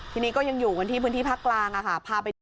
ทีนี้ก็ยังอยู่กันที่พื้นที่ภาคกลางพาไปดู